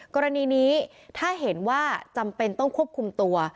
กรณีนี้ถ้าเห็นว่าจำเป็นต้องควบคุมตัว